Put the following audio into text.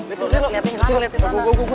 dan tampam juga berharga